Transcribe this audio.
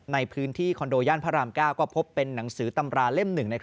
ในพื้นที่คอนโดย่านพระราม๙ก็พบเป็นหนังสือตำราเล่ม๑